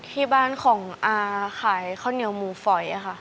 ที่บ้านของอาขายข้าวเหนียวหมูฝอยค่ะ